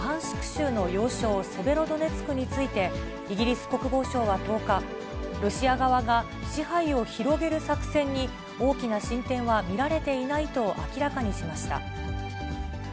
州の要衝セベロドネツクについて、イギリス国防省は１０日、ロシア側が支配を広げる作戦に、大きな進展は見られていないと明らかにしました。